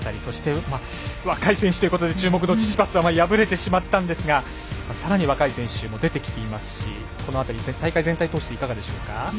若い選手で注目のチチパスは敗れてしまったんですがさらに若い選手も出てきていますしこの辺り、大会全体通していかがでしょうか？